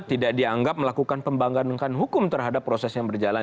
tidak dianggap melakukan pembangganan hukum terhadap proses yang berjalan